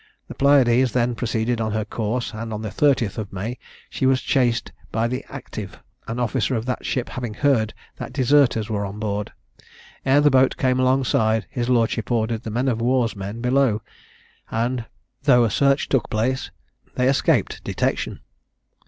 The Pylades then proceeded on her course, and on the 30th of May she was chased by the Active, an officer of that ship having heard that deserters were on board. Ere the boat came alongside, his lordship ordered the men of war's men below, and, though a search took place, they escaped detection.